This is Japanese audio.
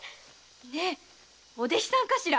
ねえお弟子さんかしら。